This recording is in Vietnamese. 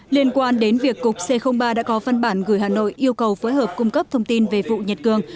liên quan đến việc cục c ba đã có văn bản gửi hà nội yêu cầu phối hợp cung cấp thông tin về vụ nhật cường